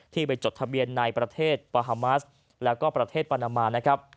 ที่ไปจดทะเบียนในประเทศปาฮามัสและประเทศปรณมา